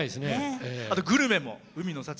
グルメも海の幸。